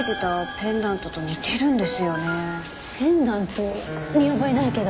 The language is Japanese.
ペンダント見覚えないけど。